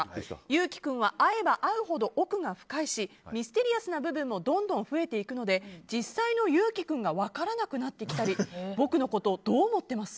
悠来君は会えば会うほど奥が深いしミステリアスな部分もどんどん増えていくので実際の悠来君が分からなくなってきたり僕のこと、どう思ってます？